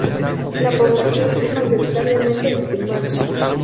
La población es mayoritariamente musulmana.